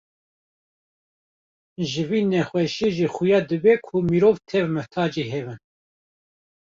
Ji vê nexweşiyê jî xuya dibe ku mirov tev mihtacê hev in.